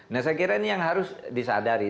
nah saya kira ini yang harus disadari